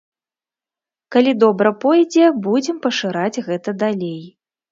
Калі добра пойдзе, будзем пашыраць гэта далей.